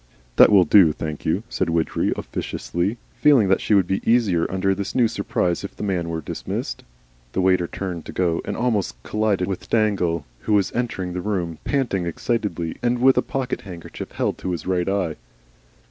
"That will do, thank you," said Widgery, officiously, feeling that she would be easier under this new surprise if the man were dismissed. The waiter turned to go, and almost collided with Dangle, who was entering the room, panting excitedly and with a pocket handkerchief held to his right eye.